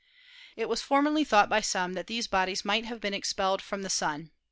It was formerly thought by some that these bodies might have been expelled from the Sun.